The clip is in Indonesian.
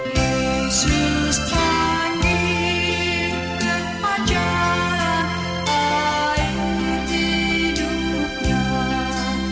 yesus panggil ke acara air hidup nya